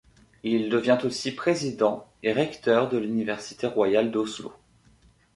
Il devient aussi président et recteur de l'université royale d'Oslo.